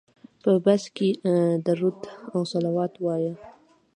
په بس کې درود او صلوات وایه.